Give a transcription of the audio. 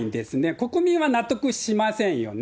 国民は納得しませんよね。